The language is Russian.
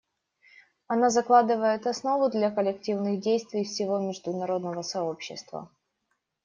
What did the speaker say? Она закладывает основу для коллективных действий всего международного сообщества.